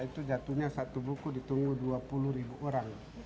itu jatuhnya satu buku ditunggu dua puluh ribu orang